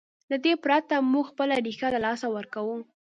له دې پرته موږ خپله ریښه له لاسه ورکوو.